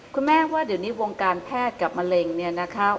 คุณแม่ว่าเดี๋ยวนี้วงการแพทย์กับมะเร็งเนี่ยนะคะ